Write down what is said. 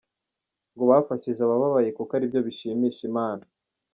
Ngo bafashije ababaye kuko ari byo bishimisha Imana.